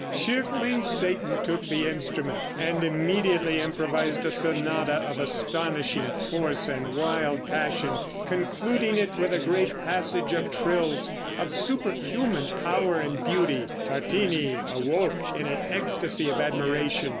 Cheerfully Satan took the instrument, and immediately improvised a sonata of astonishing force and wild passion, concluding it with a great passage of trills, of superhuman power and beauty; Tartini awoke in an ecstasy of admiration.